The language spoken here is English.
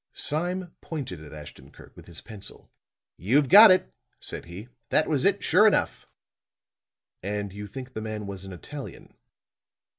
Sime pointed at Ashton Kirk with his pencil. "You've got it," said he. "That was it, sure enough." "And you think the man was an Italian?"